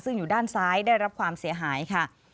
ซึ่งอยู่ด้านซ้ายได้รับความเสียหายค่ะ